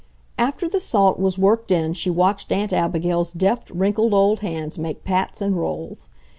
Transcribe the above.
After the salt was worked in she watched Aunt Abigail's deft, wrinkled old hands make pats and rolls.